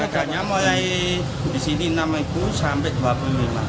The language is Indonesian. harganya mulai disini enam ribu sampai dua puluh lima